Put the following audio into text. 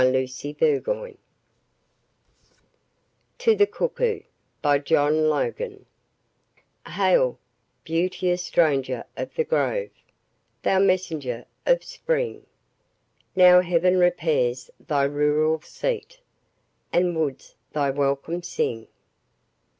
ETHELWYN WETHERALD TO THE CUCKOO Hail, beauteous stranger of the grove! Thou messenger of spring! Now Heaven repairs thy rural seat, And woods thy welcome sing.